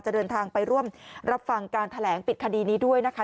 เดินทางไปร่วมรับฟังการแถลงปิดคดีนี้ด้วยนะคะ